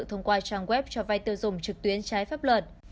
thông qua trang web cho vay tiêu dùng trực tuyến trái pháp luật